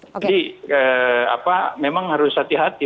jadi memang harus hati hati